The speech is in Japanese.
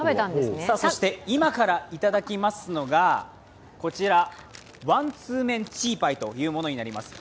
そして今から頂きますのが、ワンツーメンチーパイというものになります。